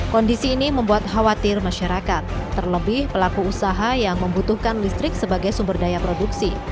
kondisi ini membuat khawatir masyarakat terlebih pelaku usaha yang membutuhkan listrik sebagai sumber daya produksi